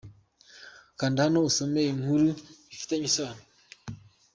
Kanda hano usome inkuru bifitanye isano.